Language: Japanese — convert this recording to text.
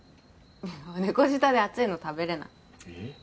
猫舌で熱いの食べれないえっ！？